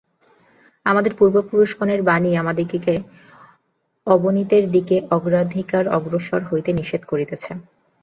আমাদের পূর্বপুরুষগণের বাণী আমাদিগকে অবনতির দিকে আর অধিকদূর অগ্রসর হইতে নিষেধ করিতেছে।